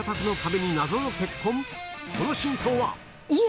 その真相は？え！